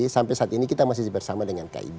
sampai saat ini kita masih bersama dengan kib